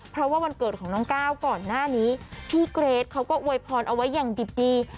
เพราะว่าวันเกิดของน้องก้าวก่อนหน้านี้พี่เกรทเขาก็อวยพรเอาไว้อย่างดิบดี